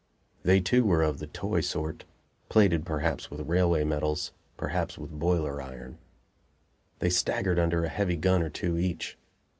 They too were of the toy sort, plated perhaps with railway metals, perhaps with boiler iron. They staggered under a heavy gun or two each.